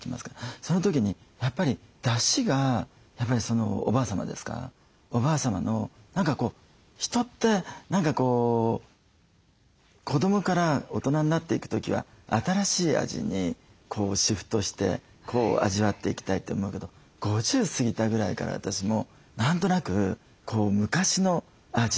その時にやっぱりだしがやっぱりそのおばあさまですかおばあさまの人って何かこう子どもから大人になっていく時は新しい味にシフトして味わっていきたいと思うけど５０過ぎたぐらいから私も何となく昔の味